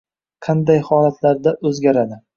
Qanday holatlarda o'zgaradi?